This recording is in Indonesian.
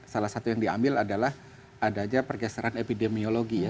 salah satu yang diambil adalah adanya pergeseran epidemiologi ya